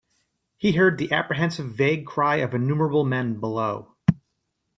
He heard the apprehensive vague cry of innumerable men below.